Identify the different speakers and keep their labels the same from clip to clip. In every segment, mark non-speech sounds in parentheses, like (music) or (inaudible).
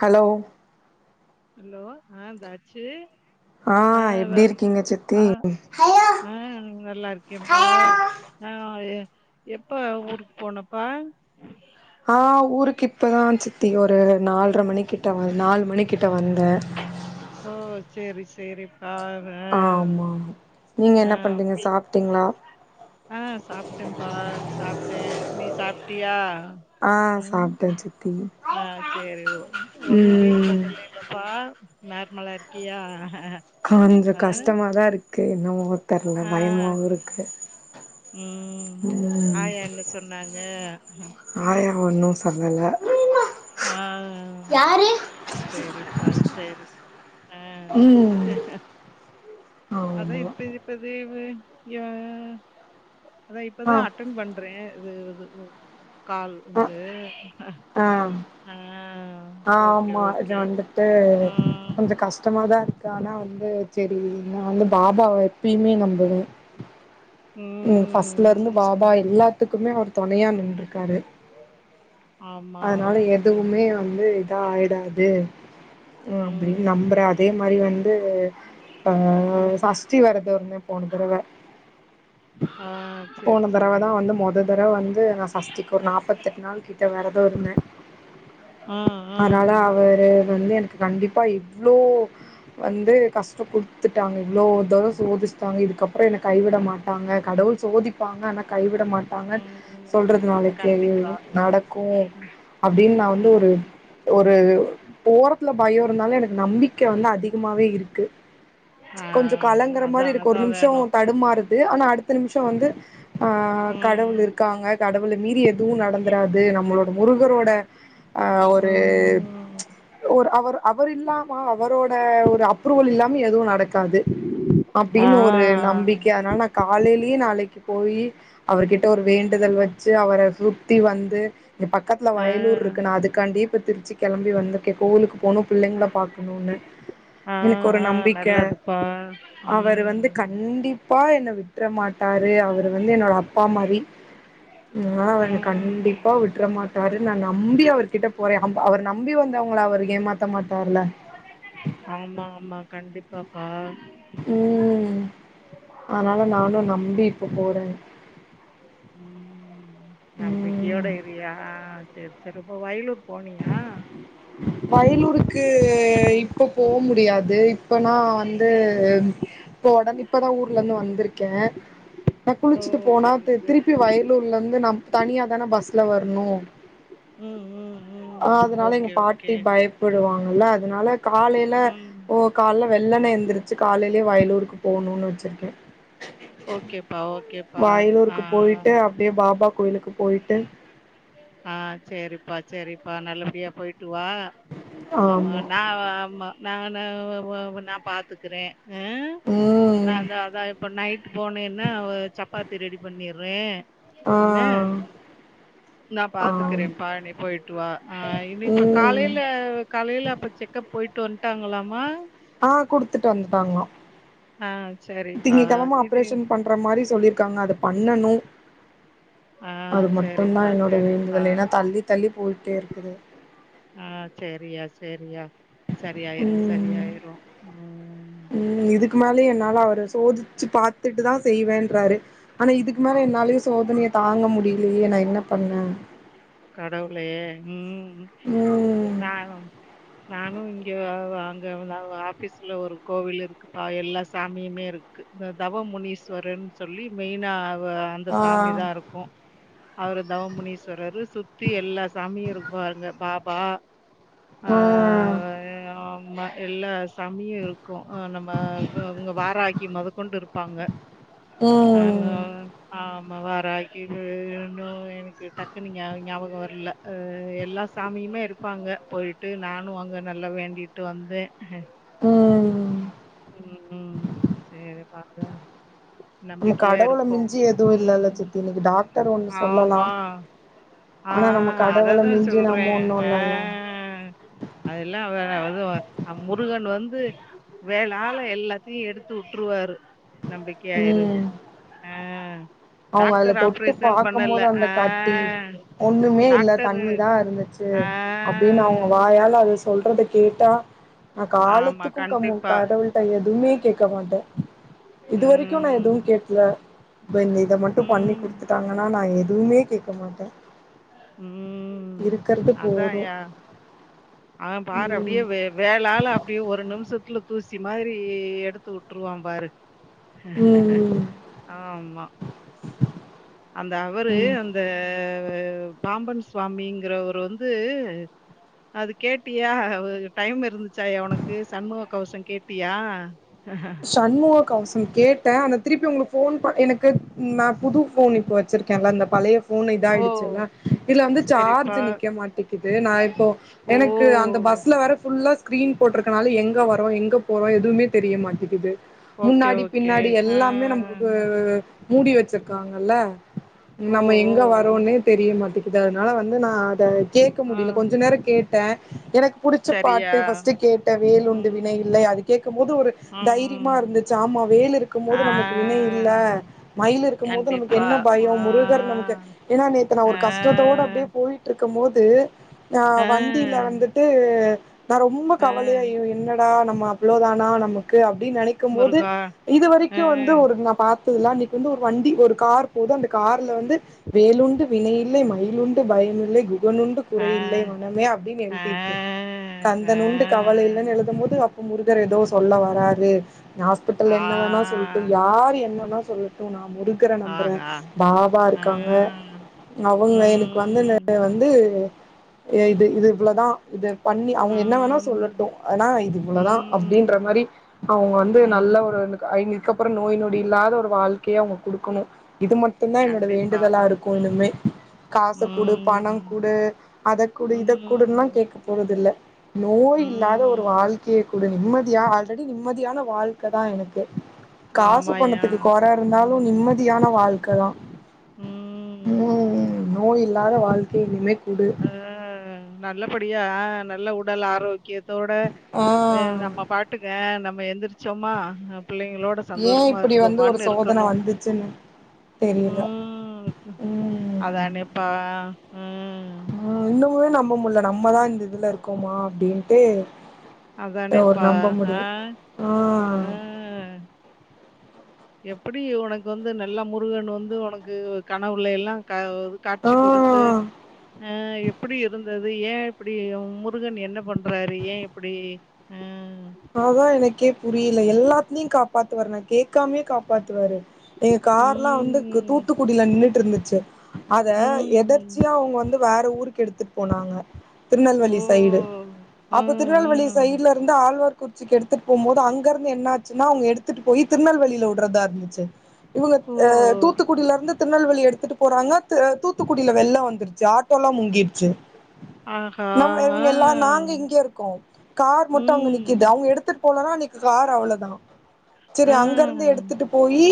Speaker 1: Hello
Speaker 2: hello ஆ தாச்சி
Speaker 1: ஆ எப்டி இருக்கீங்க சித்தி
Speaker 2: ஆ ஆ நல்லா இருக்கேபா ஆ ஏ எப்ப ஊருக்கு போனப்பா
Speaker 1: ஆ ஊருக்கு இப்பதா சித்தி ஒரு நாலரை மணிக்கிட்ட வ நாலு மணிக்கிட்ட வந்த
Speaker 2: ஓ சேரி சேரிப்பா ஆ
Speaker 1: ஆமாமா நீங்க
Speaker 2: ஆ
Speaker 1: என்ன பண்ணுறீங்க
Speaker 2: அப்படி
Speaker 1: சாப்டீங்ளா
Speaker 2: ஆ சாப்ட பா சாப்டே நீ சாப்டியா
Speaker 1: ஆ சாப்டே சித்தி
Speaker 2: ஆ சேரி ஓ ஒன்னு பீல்
Speaker 1: ம்
Speaker 2: பண்ல இல்லேலப்பா நர்மலா இருக்கியா
Speaker 1: கொஞ்சோ
Speaker 2: ஆ
Speaker 1: கஷ்டமா தா இருக்கு என்னமோ தெர்ல பயமாகவு இருக்கு
Speaker 2: உம்
Speaker 1: ம்
Speaker 2: ஆயா என்ன சொன்னாங்க
Speaker 1: ஆயா ஒன்னு சொல்லல
Speaker 2: ஆ சேரிப்பா சேரி அ
Speaker 1: ம்
Speaker 2: அதான்
Speaker 1: ஆமா
Speaker 2: இப்ப இப் பத லீவூ யா அதா
Speaker 1: ஆ
Speaker 2: இப்பதா அட்டன் பண்ட் றே இது இது கால்
Speaker 1: அ
Speaker 2: வந்து
Speaker 1: ஆ
Speaker 2: ஆஹ்
Speaker 1: ஆம்மா இது வந்துட்டு
Speaker 2: ஆ
Speaker 1: கொஞ்சோ கஷ்டமா தா இருக்கு ஆனா வந்து செரி நா வந்து பாபாவ எப்பயுமே நம்புவே
Speaker 2: ம்
Speaker 1: ஃபர்ஸ்ட்லருந்து பாபா
Speaker 2: ம்
Speaker 1: எல்லாத்துக்குமே அவர் துணையா நின்றுருக்காரு
Speaker 2: ஆமா
Speaker 1: அதனால எதுவுமே
Speaker 2: ம்
Speaker 1: வந்து இதா ஆயிடாது ம் அப்டின் நம்புறோ அதே மாரி வந்து அ
Speaker 2: ம்
Speaker 1: சஷ்டி விரதோருந்தே போன தரவ
Speaker 2: ஆ சேரி
Speaker 1: போன தரவ
Speaker 2: சேரி
Speaker 1: தா வந்துப் முத தரவை வந்து நா சஷ்டிக்கு ஒரு நாபத்தெட் நாள் கிட்ட வெரதோ இருந்தே
Speaker 2: ஆ ஆ
Speaker 1: அதனால அவரு வந்து எனக்கு கண்டிப்பா இவ்ளோ வந்து கஷ்டம் குடுத்துட்டாங்க இவ்ளோ தட சோதிச்சிட்டாங்க இதுக்ப்புறோ என்ன கைவிட மாட்டாங்க கடவுள் சோதிப்பாங்க ‌ஆனா கைவிட மாட்டாங்க
Speaker 2: ம்
Speaker 1: சொல்றது நாளைக்கேவூ
Speaker 2: கண்டிப்பா
Speaker 1: நடக்கோ அப்டின்னு நா வந்து
Speaker 2: ம்
Speaker 1: ஒரு ஒரு ஓரத்துல பயம் இருந்தாலும் எனக்கு நம்பிக்கை வந்து அதிகமாவே இருக்கு
Speaker 2: ஆ
Speaker 1: கொஞ்சோ கலங்கற
Speaker 2: அதா
Speaker 1: மாரிருக்கு ஒரு
Speaker 2: அதா
Speaker 1: நிமிஷோ
Speaker 2: வேணு
Speaker 1: தடுமாறுது ஆனா அடுத்த நிமிஷோ வந்து ஆ கடவுள்
Speaker 2: ம்
Speaker 1: இருக்காங்க கடவுள மீறி எதுவூ நடந்துறாது நம்மளோட முருகரோட அ ஒரு
Speaker 2: ம்
Speaker 1: ஒரு அவர் அவர் இல்லாமா அவரோட ஒரு அப் ரூவல் இல்லாம எதுவூ நடக்காது
Speaker 2: ஆ
Speaker 1: அப்டின்னு ஒரு நம்பிக் அதனால நா காலையிலயே நாளைக்கு போயி அவர்கிட்ட ஒரு
Speaker 2: ம்
Speaker 1: வேண்டுதல் வச் சி அவர சுத்தி வந்து இங்க பக்கத்துல
Speaker 2: ஆ
Speaker 1: வயலூர் இருக்கு அதுக்காண்டி இப்ப திருச்சி கிளம்பி வந்திருக்கே இபப கோவிலுக்கு போனோ பிள்ளைங்கள பாக்கணோன்னு
Speaker 2: ஆஹ் ஆஹ் நல்லதுப்பா ம்
Speaker 1: ப்பா என்ன விட்டுற மாட் டாரு அவரு வந்து என்னோட அப்பா மாரி அதனால நா வந்து
Speaker 2: ம்
Speaker 1: கண்டிப் பா விட்டுர மாட்டாரு நா நம்பி அவர்கிட்ட போறே அம் அவர் நம்பி வந்தவங்கள அவர் ஏமாத்த மாட்டார்ல்ல
Speaker 2: ஆமா ஆமா கண்டிப்பாப்பா
Speaker 1: ம் அதனால நானூ நம்பி இப்ப போறே
Speaker 2: ம்
Speaker 1: ம்
Speaker 2: நம்பிக்கையோட இறுய்யா ஆ செர் செரி இப்ப வயலூர் போனீயா
Speaker 1: வயலூருக்கு இப்போ போவ் முடியாத் இதெ இப்ப நா வந்து இப்ப ஒடனே இப்ப தா ஊர்லேருந்து வந்திருக்கே நா
Speaker 2: ஓ
Speaker 1: குளிச்சிட்டு போனா
Speaker 2: சேரி
Speaker 1: இப்
Speaker 2: சேரி
Speaker 1: திருப்பி வயலூர்லேருந்து நம் தனியாதானே பஸ்ல வரனூ
Speaker 2: ம் ம் ம்
Speaker 1: அதனால எங்க
Speaker 2: ஓகே
Speaker 1: பாட்டி
Speaker 2: ஓகே
Speaker 1: பயப் படுவாங்கல்ல அதனால காலயில
Speaker 2: ம்
Speaker 1: ஓ கால்ல வெள்ளென எந்திரிச்சு காலையிலே வயலூருக்கு போணுன்னு வச்சுருக்கே
Speaker 2: ஓகேப்பா ஓகேப்பா
Speaker 1: வயலூருக்கு
Speaker 2: ஆஹ்
Speaker 1: போயிட்டு அப்டியே பாபா கோயிலுக்கு போயி்ட்டு
Speaker 2: ஆ சேரிப்பா சேரிப்பா நல்லபடியா போயிட்டு வா ஆமா நா வெ ஆமா நான்னு நா பாத்துக்குறே இஹ்
Speaker 1: ம்
Speaker 2: நான் தா அதா இப் இப்போ நைட் போனேன்னா ஒரு சப்பாத்தி ரெடி பண்ணிறே
Speaker 1: ஆ
Speaker 2: என்ன நா பாத்துக்கறே
Speaker 1: ஆம்
Speaker 2: பா நி போயிட்டு வா ஆ இனி இப்ப
Speaker 1: ம்
Speaker 2: காலேல காலேல அப்ப செக் கப் போயிட்டு வந்ட்டாங்களாமா
Speaker 1: ஆ குடுத்துட்டு வந்துட்டாங்க
Speaker 2: ஆ சேரி பா இது
Speaker 1: ஆப்ரேஷன் பண்ற மாரி சொல்லிருக்காங்க அத பண்ணணு
Speaker 2: ஆ
Speaker 1: அது மட்டு தா
Speaker 2: சரிப்பா
Speaker 1: என்னோட
Speaker 2: சரிப்பா
Speaker 1: வேண்டுதலே ஏனா தள்ளி தள்ளி போயிட்டே இருக்குது
Speaker 2: ஆ சேரியா சேரியா சரியாயிரு
Speaker 1: ம்
Speaker 2: சரியாயிரு ம்
Speaker 1: ம் இதுக்கு மேலே என்னால அவரு சோதிச்சு பாத்துட்டு தா செய்வேன்றாரு ஆனா இதுக்கு மேல என்னாலயே சோதனைய தாங்க முடியலையே நா என்ன பண்ண
Speaker 2: கடவுளே ம்
Speaker 1: ம்
Speaker 2: நானு நானு இங்க அங்க ஆபீஸ்ல ஒரு கோவில் இருக்குப்பா எல்லா சாமியுமே இருக் கு இந்த தவமுனீஸ்வரன் சொல்லி மெயினா இந்த
Speaker 1: ஆ
Speaker 2: சாமி தா ருக்கு அவரு தவமுனீஸ்வரரு சுத்தி எல்லா சாமியு இருப்பாருங்க பாபா ஆ மா எல்லா சாமியு இருக்கு நம்ம உங்க வாராக்கி மொத கொண்டு இருப்பாங்க ஆமா
Speaker 1: ம்
Speaker 2: ஆமா வாராக்கி இன்னு எனக்கு டக்குனு ஞா ஞாபக வர்ல அ எல்லா சாமியுமே இருப்பாங்க போயிட்டு நானு அங்க நல்லா வேண்டி ட்டு வந்தே
Speaker 1: ம்
Speaker 2: ம் சேரி பாத்தா
Speaker 1: நம்ம
Speaker 2: நம்பிக்கையா
Speaker 1: கடவுள
Speaker 2: இருப்போ
Speaker 1: மிஞ்சி எதுவு இல்லல்ல
Speaker 2: ம்
Speaker 1: சித்தி இன்னைக்கு டாக்டர் ஒண்ணு சொல்லலா
Speaker 2: ஆமா ஆ
Speaker 1: ஆனா நம்ம கடவுள
Speaker 2: அததா
Speaker 1: மிஞ்சி
Speaker 2: சொல்றே
Speaker 1: நம்ம ஒண்ணு இல்லல்ல
Speaker 2: ஹ் அதெல்லா வேற அது வ அ முருகன் வந்து வேலால எல்லாத்தையு எடுத்து வுட்டுருவாரு நம்பிக்கையா இரு
Speaker 1: ம்
Speaker 2: ஆ
Speaker 1: அவங்க அதுல
Speaker 2: டாக்டர்
Speaker 1: தொட்டு
Speaker 2: ஆப்ரேஷன்
Speaker 1: பாக்கும்போது
Speaker 2: பண்ணல
Speaker 1: அந்த
Speaker 2: ஆ
Speaker 1: கட்டி ஒண்ணுமே இல்ல
Speaker 2: டாக்டரு
Speaker 1: தண்ணிதா இருந்துச்சு
Speaker 2: ஆ.
Speaker 1: அப்டின்னு அவுங்க வாயால அது ஸ் சொல்றத கேட்டா நா
Speaker 2: ஆமா
Speaker 1: காலத்துக்கு கம்மு
Speaker 2: கண்டிப்பா.
Speaker 1: கடவுள்ட்ட எதுமே கேக்க மாட்டே இது வரைக்கு நா
Speaker 2: ம்.
Speaker 1: எதுவு கேட்ல பன் இத மட்டு பண்ணி
Speaker 2: ம்.
Speaker 1: குடுத்துட்டாங்கனா நா எதுவுமே கேக்க மாட்டே
Speaker 2: ம்
Speaker 1: இருக்கறது
Speaker 2: அதா
Speaker 1: போது
Speaker 2: யா ஆ பாரு
Speaker 1: ம்
Speaker 2: அப்டியே வே வேலால அப்டியே ஒரு நிமிஷத்துல தூசி மாரி எடுத்து வுட்டுருவா பாரு
Speaker 1: ம் ம்
Speaker 2: ஆமா அந்த அவரு
Speaker 1: ம்
Speaker 2: அந்த பாம்பன் சுவாமிங்கிறவர்ரு வந்து அது கேட்டியா டைம் இருந்துச்சாயா உனக்கு சண்முக கவசோ கேட்டியா
Speaker 1: சண்முக கவசோ கேட்டே ஆனா திருப்பி உங்க ஃபோன் பண் எனக்கு நா புது ஃபோன் இப்போ வச்சிருக்கேளா அந்த பழைய ஃப் ஃபோன்
Speaker 2: ஓ
Speaker 1: இதாயிடுச்சுல இதுல வந்து சார்ஜ்
Speaker 2: சரிப்பா
Speaker 1: நிக்க மாட்டேக்குது நா இப்போ
Speaker 2: ஓ
Speaker 1: எனக்கு அந்த பஸ்ல வேற ஃபுல்லாஸ் ஸ்க்ரீன் போட்ருக்கனால எங்க வரோ எங்க போறோ எதுமே தெரிய மாட்டேகிது
Speaker 2: ஓகே
Speaker 1: முன்னாடி
Speaker 2: ஓகே
Speaker 1: பின்னாடி
Speaker 2: ஆ
Speaker 1: எல்லாமே நமக்கு மூடி வச்சிருக்காங்கல்ல
Speaker 2: ஓ
Speaker 1: நம்ம
Speaker 2: ஓ
Speaker 1: எங்க வரோன்னே தெரிய மாட்டேங் கிது அதனால வந்து நா அத கேக்க
Speaker 2: ஆ
Speaker 1: முடில கொஞ்ச நேர கேட்டே எனக் புடிச்ச
Speaker 2: சரியா
Speaker 1: பாட்டு ஃபர்ஸ்ட்டு கேட்டே வேலுண்டு
Speaker 2: ம்
Speaker 1: வினை இல்லை அது கேக்கும் போது ஒரு தீரிமா
Speaker 2: ம்
Speaker 1: இருந்துச்சு ஆமா வேல் இருக்கும் போது
Speaker 2: ஆ
Speaker 1: நமக்கு வினை இல்ல மயில் இருக்கும் போது நமக்கு
Speaker 2: கண்டிப்பா
Speaker 1: என்ன பயம் முருகர்
Speaker 2: ஆ
Speaker 1: நமக்கு ஏன்னா நேத்து நா
Speaker 2: அ
Speaker 1: ஒரு கஷ்டத்தோடு அப்டியே போ போயிட்ருக்கும் போது நா
Speaker 2: அ
Speaker 1: வண்டியில வந்துட்டு நா ரொம்ப
Speaker 2: அ
Speaker 1: கவலையா என்னடா நம்ம அவ்ளோ தானா நமக்கு அப்டின்னு நெனைக்கும் போது
Speaker 2: முருகா
Speaker 1: இது
Speaker 2: அ
Speaker 1: வரைக்கு வந்து ஒரு நா பாத் தில்லா அன்னைக்கு வந்து ஒரு வண்டி ஒரு கார் போகுது அந்த கார்ல வந்து வேலுண்டு வினை இல்லை மயில் உண்டு பயமில்லை கு னுன்டு
Speaker 2: அ
Speaker 1: குறை இல்லை மனமே அப்டின்
Speaker 2: அ
Speaker 1: எழுதிருக்கு கந்த
Speaker 2: அ
Speaker 1: நுண்டு கவல இல்லன்னு எழுதும்போது அ முருகர் ஏதோ சொல்ல வராரு ஹாஸ்பிட்டல்
Speaker 2: ஆ
Speaker 1: என்ன வேணா சொல் டு யார் என்னன்னா சொல்லட்டு நா முருக்கற நம்புற
Speaker 2: ஆஹா
Speaker 1: பாபா இருக்காங்க
Speaker 2: ம்
Speaker 1: அவுங்க எனக்கு வந்து
Speaker 2: ம்
Speaker 1: வந்து இது இது இவ்ளோதா இது பண்ணி அவுங்க என்ன வேணா
Speaker 2: ம்
Speaker 1: சொல்லட்டு ஆனா இது இவ்ளோதா அப்டின்ற
Speaker 2: ம்
Speaker 1: மாரி அவுங்க வந்து நல்ல
Speaker 2: ம்
Speaker 1: ஒரு இதுக்கப்புறோ நோய் நொடி இல்லாத ஒரு வாழ்க்கைய அவுங்க குடுக்கணு இது மட்டுதா என்னோட
Speaker 2: கண்டிப்பா
Speaker 1: வேண்டுதலா இருக்கு
Speaker 2: ம்
Speaker 1: இனுமே காச குடு பணங்
Speaker 2: ம்
Speaker 1: குடு அத குடு இத குடுன்லா
Speaker 2: ம்
Speaker 1: கேக் கபோறதுல்ல நோய் இல்லாத ஒரு
Speaker 2: ம்
Speaker 1: வாழ்க்கைய குடு நிம்மதியா வாழ் ஆல்ரடி நிம்மதியான வாழ்க்க தா எனக்கு காசு
Speaker 2: ஆமாயா
Speaker 1: பணத்துக்கு கொறருந்தாலு
Speaker 2: ம்
Speaker 1: நிம்மதியான வாழ்க்கதா
Speaker 2: ம்
Speaker 1: நோய் இல்லாத வாழ்க்கைய இனிமேக் குடு
Speaker 2: அ நல்லபடியா நல்ல உடல் ஆரோக்கியத்தோட
Speaker 1: ஆ
Speaker 2: நம்ம பா ட்டுக்க நம்ம எந்திரிச்சோமா பிள்ளைங்களோட
Speaker 1: ஏன்
Speaker 2: சந்தோஷமா
Speaker 1: இப்டி வந்து ஒரு
Speaker 2: இருந்தோமான்னு
Speaker 1: சோதன
Speaker 2: இருக்கணு
Speaker 1: வந்துச்சுன்னு தெரியல
Speaker 2: உம்
Speaker 1: ம்
Speaker 2: அதனேப்பா ம்
Speaker 1: ம் இன்னமுமே நம்ப முல்ல நம்மதா இந்த இதுல இருக்கோமா அப்டின்ட்டு ஒரு
Speaker 2: அதானேப்பா!
Speaker 1: நம்ப
Speaker 2: ஆ,
Speaker 1: முடியு ஆ
Speaker 2: ஆ. எப்டி உனக்கு வந்து நல்லா முருகன் வந்து உனக்கு கனவுள்ள எல்லா க
Speaker 1: ஆ
Speaker 2: காட்சி குடுத்து அ எப்பிடி இருந்தது அது ஏன் இப்டி முருகன் என்ன பண்றாரு ஏன் இப்பிடி ஆ
Speaker 1: அதா எனக்கே புரில எல்லாத்லி காப்பாத்துவாரு நா கேட்காமே காப்பாத்துவாரு எங் கார்லா வந்து
Speaker 2: ம்.
Speaker 1: தூத்துக்குடியில நின்னுட்ருந்துச்சு அத
Speaker 2: ம்.
Speaker 1: எதர்ச்சியா அவங்க வந்து வேற ஊருக்கு எடுத்துட்டு போனாங்க
Speaker 2: ஓ!
Speaker 1: திருநெல்வேலி சைடு
Speaker 2: அ, அ.
Speaker 1: அப்ப திருநெல்வேலி சைட்ல இருந்து ஆழ்வார் குறிச்சிக்கு எடுத்துட்டு போம்போது அங்க இருந்து என்ன ஆச்சுன்னா அவுங்க எடுத் துட்டு போய் திருநெல்வேலில உட்றதா இருந்துச்சு இவுங்க அ
Speaker 2: ஓ!
Speaker 1: தூத்துக்குடியிலருந்து திருநெல்வேலி எடுத்துட்டு போறாங்க தூத்துக்குடியில வெள்ளம் வந்துருச்சு ஆட்டோல்லா முங்கிட்ச்சு
Speaker 2: ஆஹா!
Speaker 1: நம்ம
Speaker 2: ஆ,
Speaker 1: இவுங்க எல்லா நாங்க இங்க இருக்கோ கார் மட்டு அங்க நிக்
Speaker 2: ம்,
Speaker 1: அவுங்க எடுத்துட் போலன்னா அன்னைக்கு கார் அவ்ளோதா செரி
Speaker 2: ஆ,
Speaker 1: அங்க இருந்து எடுத்துட்டு போயி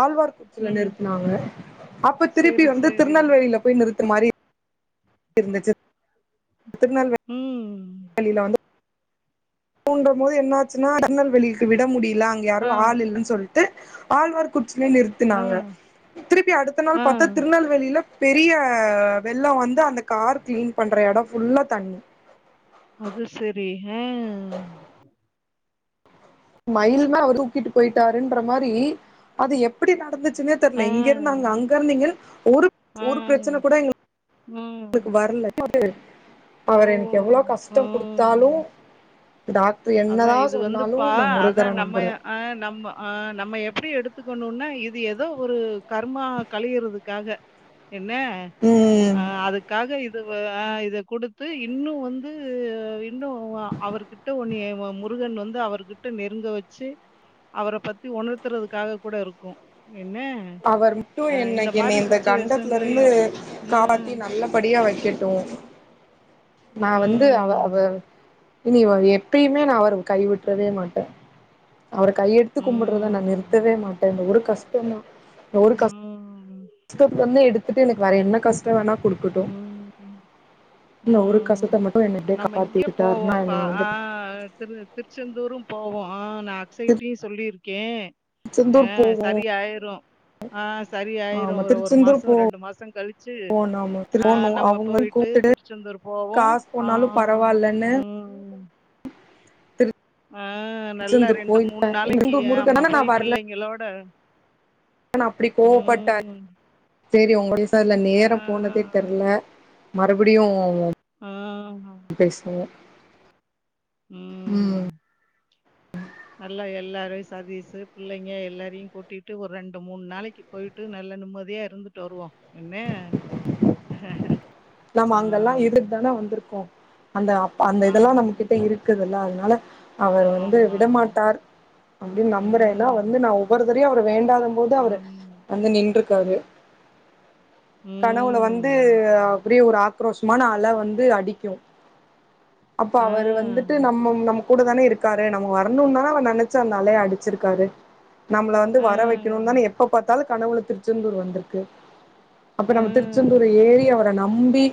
Speaker 1: ஆழ்வார் ச்சில
Speaker 2: ம்.
Speaker 1: நிறுத்துனாங்க அப்ப திருப்பி
Speaker 2: சரி,
Speaker 1: வந்து
Speaker 2: சரி.
Speaker 1: திருநெல்வேலியில போய் நிறுத்து மாரி இருந்துச்சு திருநெல்வேலி
Speaker 2: ம்
Speaker 1: வெளில வந்து ஊன்ற போது என்னாச்சுன்னா திருநல்வேலிக்கு விட முடில அங்க யாரோ
Speaker 2: ஆ,
Speaker 1: ஆள் இல்லன் சொல்ட்டு ஆள் வர குச்சில
Speaker 2: ஆ,
Speaker 1: நிறுத்துனாங்க திருப்பி அடுத்த நாள்
Speaker 2: ஆ.
Speaker 1: பாத்தா திருநல்வேலில பெரிய வெள்ளோ வந்து அந்த கார் கிளீன் பண்ற எடோ ஃபுல்லா தண்ணி
Speaker 2: அது சேரி ஆ
Speaker 1: மயல்மே அவர் தூக்கிட்டு போயிட்டாருன்ற மாரி அது எப்மிடி நடந்துச்சுன்னே
Speaker 2: ஆ,
Speaker 1: தெர்ல இங்க நாங்க அங்கருந்து இங்கருந்து ஒரு
Speaker 2: ஆ,
Speaker 1: ஒரு பிரச்சன கூட எங்களுக்
Speaker 2: ம்.
Speaker 1: க்கு வரல நோட்டு
Speaker 2: ஓ!
Speaker 1: அவர் எனக்கு எவ்ளோ கஷ்டொ குடுத்தாலு
Speaker 2: ம்.
Speaker 1: டாக் இப்போ என்னதா சொன்னாலு நா முருகற நம்புறே
Speaker 2: ஆ நம்ம ஆ நம்ம எப்டி எடுத்துக்கணுனா இது எதோ ஒரு கர்மா களியறதுக்காக என்ன
Speaker 1: ம்
Speaker 2: ஆ அதுக்காக இது வ ஆ இத குடுத்து இன்னு வந்து இன்னு அவருக்கு ட்ட உன்னய வ முருகன் வந்து அவருகிட்ட நெருங்க வச்சு அவர பத்தி உணர்த்துறதுக்காக கூட இருக்கு என்ன
Speaker 1: அவர் மட்டு
Speaker 2: அ
Speaker 1: இன்னக்கி
Speaker 2: மாரி
Speaker 1: என்னய இந்த கண்டத்துல இருந்து
Speaker 2: சிச்சுவேஷன்லயும். ம்.
Speaker 1: காப்பாத்தி நல்லபடியா வைக்கட்டு நா வந்து அவ
Speaker 2: ம்.
Speaker 1: அவ இனி வ எப்பயுமே நா அவர கைவிட்றவே மாட்டே அவர கையெடுத்து கும்பட்றத நா
Speaker 2: ம்.
Speaker 1: நிறுத்தவே மாட்டே அந்த ஒரு கஷ்டந்தா
Speaker 2: ம் ம்
Speaker 1: ஷ்டத்துல இருந்து எடுத்துட்டு எனக்கு வேர என்ன கஷ்ட வேணா குடுக்கட்டு
Speaker 2: ம்.
Speaker 1: இந்த ஒரு
Speaker 2: ம்.
Speaker 1: கஷ்டத்த மட்டு என்னய அப்டியே
Speaker 2: நம்ம
Speaker 1: கப்பாத்தி
Speaker 2: இங்க
Speaker 1: விட்டுட்ருன்னா
Speaker 2: போவோம்ப்பா.
Speaker 1: என்ன
Speaker 2: ஆ
Speaker 1: வந்து
Speaker 2: திரு திருச்செந்தூரு போவோ ஆ நா அக்சைடயு சொல்லிருக்கே ஆ
Speaker 1: திருச்செந்தூர் போ
Speaker 2: சரியாயிரு ஆ சரியாயிரு
Speaker 1: ஆமா
Speaker 2: ஒரு ஒரு
Speaker 1: திருச்செந்தூர்
Speaker 2: மாசோ ரெண்டு மாசோ கழுச்சு
Speaker 1: போவோ நாம
Speaker 2: ஆ
Speaker 1: போனு
Speaker 2: நம்ம
Speaker 1: அவங்களு
Speaker 2: போயிட்டு
Speaker 1: கூப்டுட்டு
Speaker 2: திருச்செந்தூர் போவோ
Speaker 1: காசு
Speaker 2: ஆ
Speaker 1: போனாலு பரவாயில்லன்னு
Speaker 2: ம் ஆ நல்லா
Speaker 1: திருச்செந்தூர்
Speaker 2: ரெண்டு
Speaker 1: போய்
Speaker 2: மூண் நாளக்கி
Speaker 1: திருச்செந்தூர் முருகன்
Speaker 2: ஆமா
Speaker 1: தான நா
Speaker 2: போய் புள்ளைங்களோட
Speaker 1: நா அப்டி கோவப்பட்டே சேரி ஒங்களுடைசால
Speaker 2: ஆ,
Speaker 1: நேரம் போனதே தெர்ல மறுபடியு
Speaker 2: ஆ ஹ
Speaker 1: பேசுங்க
Speaker 2: ம் நல்லா எல்லாரையு சதீஷு பிள்ளைங்க எல்லாரையு கூட்டிட்டு ஒரு ரெண்டு மூண் நாளைக்கி போய்ட்டு நல்ல நிம்மதியா இருந்துட்டு வருவோ என்ன
Speaker 1: நம்ம
Speaker 2: ஆ,
Speaker 1: அங்கல்லா இருந்து தான வந்துருக்கோ அந்த அந்த
Speaker 2: ஆ,
Speaker 1: இதல்லா நம்ம கிட்ட இருக்குதுல்ல அதுனால அவர் வந்து
Speaker 2: ஆமா.
Speaker 1: விடமாட்டார் அப்டின் நம்புறே ஏனா வந்து
Speaker 2: ம்,
Speaker 1: நா ஒவ்வொருத்தரயு தரையு அவர வேண்டாதபோது
Speaker 2: ம்,
Speaker 1: வந்து நின்றுக்காரு
Speaker 2: ம்
Speaker 1: கனவுல வந்து அப்டியே ஒரு ஆக்ரோசமான அல வந்து அடிக்கு அப்ப
Speaker 2: ஆ,
Speaker 1: அவரு வந்துட்டு நம்ம நம்ம கூட தான இருக் க்காரு நம்ம வரணுனு தான அவர் நெனச்சு அந்த அலைய அடுச்சுருக்காரு நம்மள வந்து
Speaker 2: ஆ,
Speaker 1: வர வைக்கணுன் தான எப்ப பாத்தாலு கனவுல திருச்செந்தூர் வந்துருக்கு அப்ப நம்ம திரு
Speaker 2: ஆ.
Speaker 1: திருச்சந்தூர ஏறி அவர நம்பி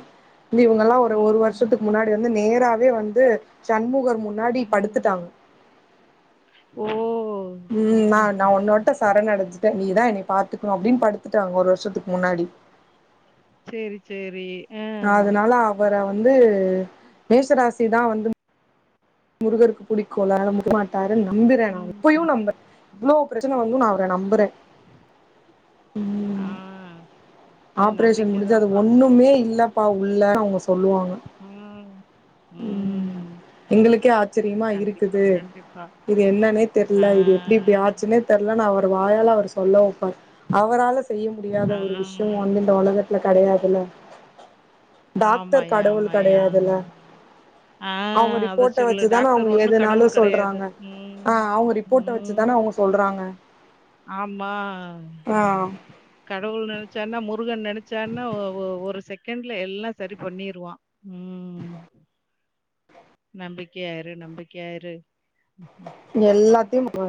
Speaker 1: நம்பி இவுங்கல்லா ஒரு ஒரு
Speaker 2: ம்
Speaker 1: வருஷத்துக் முன்னாடி வந்து நேராவே வந்து சண்முகர் மு முன்னாடி
Speaker 2: ம்
Speaker 1: படுத்துட்டாங்க
Speaker 2: ஓ
Speaker 1: ம் நா நா ஒன்னோ ட்ட சரணடஞ்சிட்டே நீதா என்னய பாத்துக்கனு அப்டின் படுத்துட்டாங்க ஒரு வர்ஷத்துக்கு முன்னாடி
Speaker 2: சேரி சேரி ஆ
Speaker 1: அதனால அவர வந்து மேஷராசி தா வந்து முருகருக்கு பிடிக்கும்ல அதனால (inaudible) ட்டாருன் நம்புறே நா இப்பயு
Speaker 2: ம்
Speaker 1: நம்புறே இவ்ளோ பிரச்சன வந்து நா அவர நம்புறே
Speaker 2: ஆ
Speaker 1: ம்
Speaker 2: அது
Speaker 1: ஆப்ரேஷன்
Speaker 2: நம்பிக்க
Speaker 1: முடிஞ்சு அது
Speaker 2: தான்ப்பா
Speaker 1: ஒண்ணுமே இல்ல ப்பா உள்ள அவுங்க சொல்லுவாங்க
Speaker 2: ம் ம்
Speaker 1: எங்களுக்கே ஆச்சிரியமா
Speaker 2: கண்டிப்பா
Speaker 1: இருக்குது
Speaker 2: கண்டிப்பா
Speaker 1: இது என்னென்னே தெர்ல
Speaker 2: ஆ
Speaker 1: இது எப்டி இப்டி ஆச்சுனே தெர்லன் அவரு வாயால அவர் சொல்ல வப்பார் அவரால செய்ய முடியாத
Speaker 2: ஆ
Speaker 1: ஒரு விஷ்யோ வந்து இந்த உலக த்ல கெடயாதுல டாக்டர்
Speaker 2: ஆமாய்யா
Speaker 1: கடவுள்
Speaker 2: ஆமாய்யா
Speaker 1: கெடயாதுல
Speaker 2: ஆ
Speaker 1: அவுங்க
Speaker 2: அத
Speaker 1: ரிப்போர்ட்ட
Speaker 2: சொல்லு
Speaker 1: வச்சுதானே
Speaker 2: டாக்டர்
Speaker 1: அவுங்க
Speaker 2: ஒண்ணும்
Speaker 1: எதனாலு
Speaker 2: கடவுள் கெடையாது
Speaker 1: சொல்றாங்க ஆ
Speaker 2: ம்
Speaker 1: அவுங்க ரிப்போர்ட்ட வச்சுதான
Speaker 2: ம்
Speaker 1: அவங்க சொல்றாங்க
Speaker 2: ஆமா
Speaker 1: ஆ
Speaker 2: கடவுள் நெனச்சார்னா முருகன் நெனச்சானா ஒ ஒ ஒரு செகண்ட்ல எல்லா சரி பண்ணிருவா ம் நம்பிக்கையா இரு நம்பிக்கையா இரு
Speaker 1: எல்லாத்தையு (inaudible)